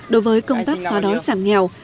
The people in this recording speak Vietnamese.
đối với công tác xóa đói xảm nghèo